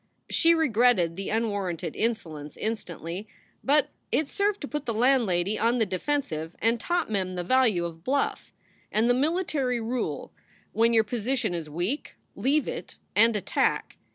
She regretted the unwarranted insolence instantly, but it served to put the landlady on the defensive and taught Mem the value of bluff, and the military rule: when your position is weak, leave it and attack.